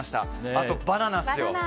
あと、バナナですよ。